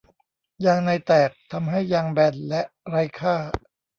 ยางในแตกทำให้ยางแบนและไร้ค่า